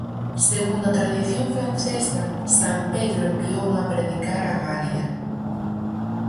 Segundo a tradición francesa, san Pedro enviouno a predicar á Galia.